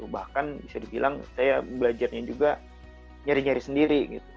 bahkan bisa dibilang saya belajarnya juga nyari nyari sendiri